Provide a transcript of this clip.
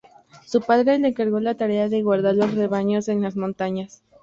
Su padre le encargó la tarea de guardar los rebaños en las montañas.